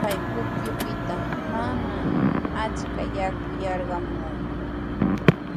Chay pukyupita manami achka yaku yarqamunku.